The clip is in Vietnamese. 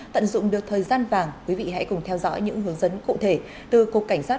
tận dụng được thời gian vàng quý vị hãy cùng theo dõi những hướng dẫn cụ thể từ cục cảnh sát